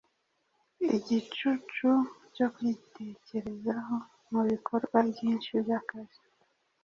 Igicucu cyo kwitekerezaho, Mubikorwa byinshi byakazi